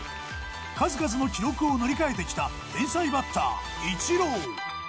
数々の記録を塗り替えてきた天才バッターイチロー。